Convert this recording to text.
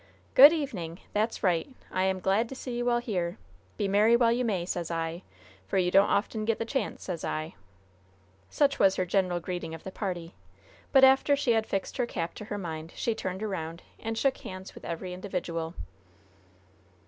"Good evening! That's right! I am glad to see you all here! Be merry while you may, sez I; for you don't often get the chance, sez I!" Such was her general greeting of the party; but after she had fixed her cap to her mind, she turned around and shook hands with every individual.